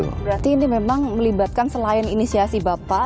berarti ini memang melibatkan selain inisiasi bapak